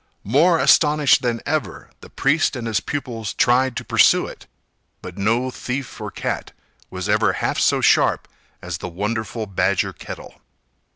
More astonished than ever, the priest and his pupils tried to pursue it; but no thief or cat was ever half so sharp as the wonderful badger kettle.